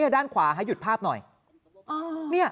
ด้านขวาให้หยุดภาพหน่อย